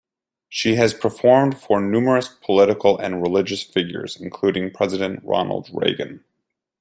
She has performed for numerous political and religious figures, including President Ronald Reagan.